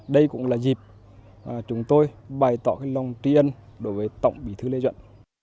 đây cũng là dịp chúng tôi bày tỏ lòng tri ân đối với tổng bí thư lê duẩn